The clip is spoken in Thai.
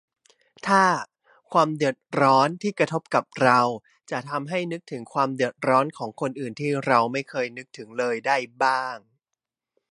ถ้า 'ความเดือดร้อน' ที่กระทบกับเรา จะทำให้นึกถึงความเดือดร้อนของคนอื่นที่เราไม่เคยนึกถึงเลยได้บ้าง